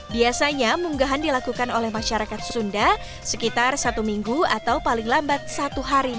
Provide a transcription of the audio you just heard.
biasanya munggahan dilakukan oleh masyarakat sunda sekitar satu minggu atau paling lambat satu hari